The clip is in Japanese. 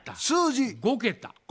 数字？５桁。